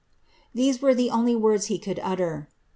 These were the only words he could utter.